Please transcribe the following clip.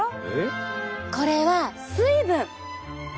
これは水分。